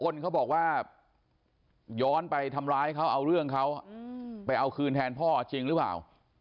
คนเขาบอกว่าย้อนไปทำร้ายเขาเอาเรื่องเขาไปเอาคืนแทนพ่อจริงหรือเปล่า